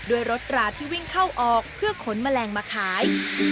ด้วยรถตราที่วิ่งเข้าออกเพื่อขนแมลงมาขาย